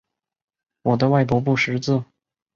我的外婆不识字